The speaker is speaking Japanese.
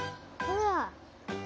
ほら。